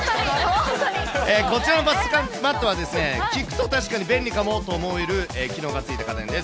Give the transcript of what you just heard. こちらのバスマットは、聞くと確かに便利かもと思える機能がついた家電です。